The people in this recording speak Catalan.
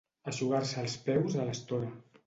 Eixugar-se els peus a l'estora.